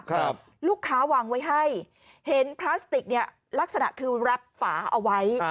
ครับลูกค้าวางไว้ให้เห็นพลาสติกเนี่ยลักษณะคือแรปฝาเอาไว้